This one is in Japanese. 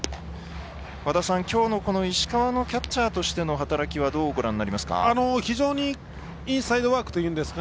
和田さん、きょうのこの石川のキャッチャーとしての働きはどうご覧になりますか。